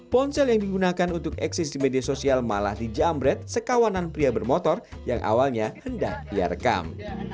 ponsel yang digunakan untuk eksis di media sosial malah dijamret sekawanan pria bermotor yang awalnya hendak ia rekam